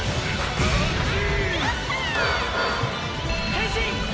変身！